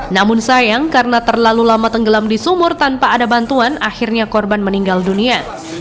namun sayang karena terlalu lama tenggelam di sumur tanpa ada bantuan akhirnya korban meninggal dunia